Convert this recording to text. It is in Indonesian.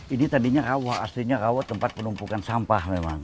ini tadinya rawah aslinya rawah tempat penumpukan sampah memang